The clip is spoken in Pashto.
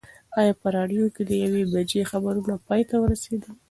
ایا په راډیو کې د یوې بجې خبرونه پای ته ورسېدل؟